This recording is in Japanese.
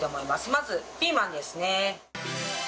まずピーマンですね。